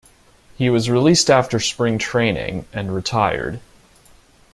He was released after spring training, and retired.